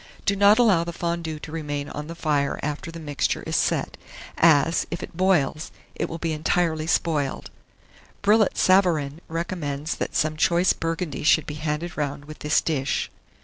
Do not allow the fondue to remain on the fire after the mixture is set, as, if it boils, it will be entirely spoiled. Brillat Savarin recommends that some choice Burgundy should he handed round with this dish.